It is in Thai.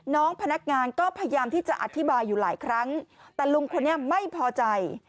น้องพนักงานก็พยายามที่จะอธิบายอยู่หลายครั้งแต่ลุงคนนี้ไม่พอใจ